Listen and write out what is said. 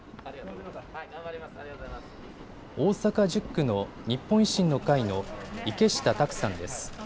大阪１０区の日本維新の会の池下卓さんです。